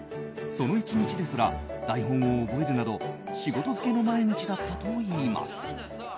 その１日ですら台本を覚えるなど仕事漬けの毎日だったといいます。